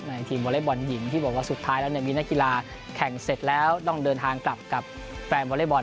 ทีมวอเล็กบอลหญิงที่บอกว่าสุดท้ายแล้วมีนักกีฬาแข่งเสร็จแล้วต้องเดินทางกลับกับแฟนวอเล็กบอล